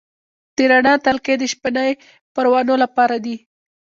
د رڼا تلکې د شپنۍ پروانو لپاره دي؟